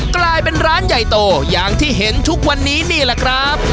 กลายเป็นร้านใหญ่โตอย่างที่เห็นทุกวันนี้นี่แหละครับ